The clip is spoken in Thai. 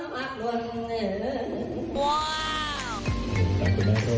มันก็อยู่ตอนนี้นะครับ